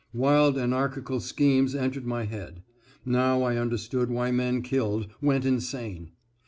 Wild anarchical schemes entered my head. Now I understood why men killed, went insane.